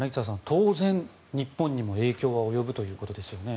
当然、日本にも影響が及ぶということですよね。